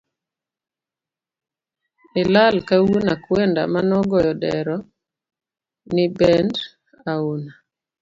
Ilal ka wuon akwenda manogoyo dero nebend auna